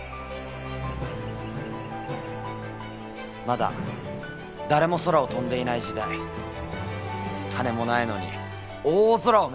まだ誰も空を飛んでいない時代羽もないのに大空を目指した。